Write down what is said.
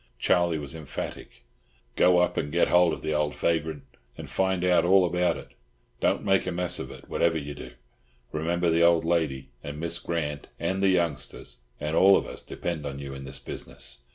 Charlie was emphatic. "Go up and get hold of the old vagrant, and find out all about it. Don't make a mess of it, whatever you do. Remember the old lady, and Miss Grant, and the youngsters, and all of us depend on you in this business.